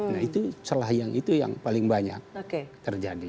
nah itu celah yang paling banyak terjadi